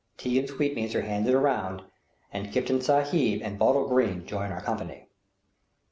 Tea and sweetmeats are handed around, and Kiftan Sahib and Bottle Green join our company.